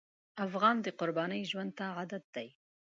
افغان د قربانۍ ژوند ته عادت دی.